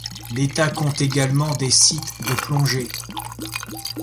L’État compte également des sites de plongés.